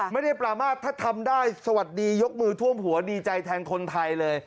ไม่ได้ประมาทถ้าทำได้สวัสดียกมือท่วมหัวดีใจแทนคนไทยเลย